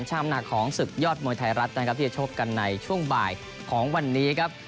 หนักของศึกยอดมวยไทยรัฐนะครับที่จะชกกันในช่วงบ่ายของวันนี้ครับ